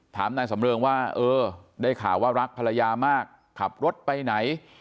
ถามนายสำเริงว่าเออได้ข่าวว่ารักภรรยามากขับรถไปไหน